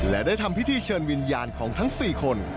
และได้ทำพิธีเชิญวิญญาณของทั้ง๔คน